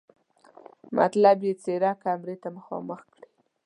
مطلب یې څېره کمرې ته مخامخ کړي.